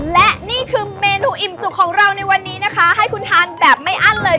และนี่คือเมนูอิ่มจุกของเราในวันนี้นะคะให้คุณทานแบบไม่อั้นเลย